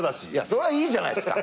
それはいいじゃないっすか。